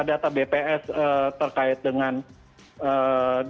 data bps terkait dengan di airport itu menurunnya berapa